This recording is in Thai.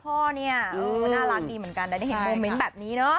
พ่อเนี่ยก็น่ารักดีเหมือนกันแต่ได้เห็นโมเมนต์แบบนี้เนอะ